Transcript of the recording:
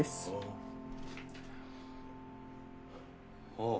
ああ。